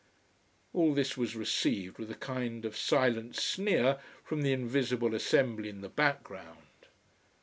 All this was received with a kind of silent sneer from the invisible assembly in the background.